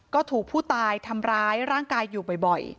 ก็ถูกผู้ตายทำร้ายร่างกายอยู่บ่อย